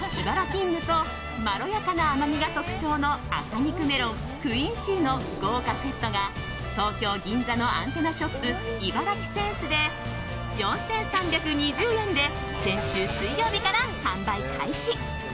キングとまろやかな甘みが特徴の赤肉メロンクインシーの豪華セットが東京・銀座のアンテナショップＩＢＡＲＡＫＩｓｅｎｓｅで４３２０円で先週水曜日から販売開始。